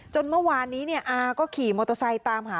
เมื่อวานนี้อาก็ขี่มอเตอร์ไซค์ตามหา